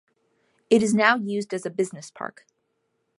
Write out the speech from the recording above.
It is now used as a business park.